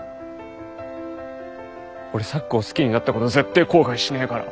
俺咲子を好きになったこと絶対後悔しねぇから！